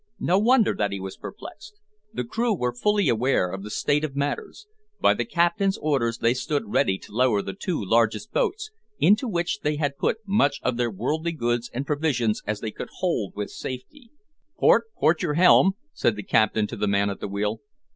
No wonder that he was perplexed. The crew were fully aware of the state of matters. By the captain's orders they stood ready to lower the two largest boats, into which they had put much of their worldly goods and provisions as they could hold with safety. "Port, port your helm," said the captain to the man at the wheel.